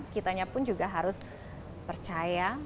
kitanya pun juga harus percaya